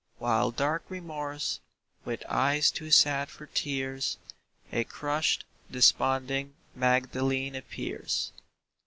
While dark Remorse, with eyes too sad for tears, A crushed, desponding Magdalene appears.